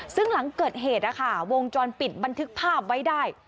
ซึ่งหลังเกิดเหตุนะคะวงจรปิดบันทึกภาพไว้ได้